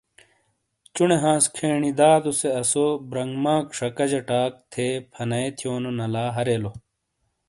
چُونے ہانس کھینی دادو سے آسو برنگمہ ایک شَکہ جہ ٹاک تھے فانائے تھیو نو نالا ہاریلو ۔